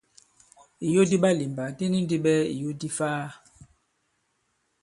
Ìyo di ɓalìmbà di ni ndi ɓɛɛ ìyo di ifaa.